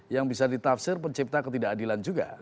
yang bisa ditafsir pencipta ketidakadilan juga